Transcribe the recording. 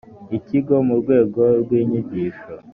ikigo mu rwego rw’inyigisho